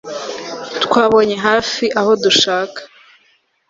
twabonye hafi aho dushaka